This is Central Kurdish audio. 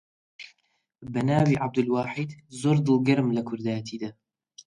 بە ناوی عەبدولواحید، زۆر دڵگەرم لە کوردایەتیدا